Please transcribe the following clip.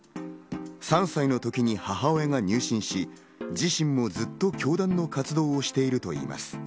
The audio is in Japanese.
３歳の時に母親が入信し、自身もずっと教団の活動をしているといいます。